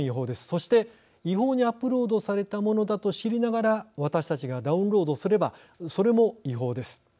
そして、違法にアップロードされたものだと知りながら私たちがダウンロードすればそれも違法です。